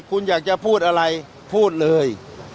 คุณอยากจะพูดอะไรพูดเลย